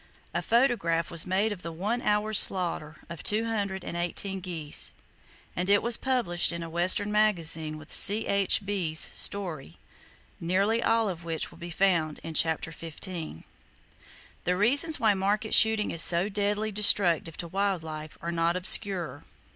A photograph was made of the "one hour's slaughter" of two hundred and eighteen geese, and it was published in a western magazine with "C.H.B.'s" story, nearly all of which will be found in Chapter XV. The reasons why market shooting is so deadly destructive to wild life are not obscure.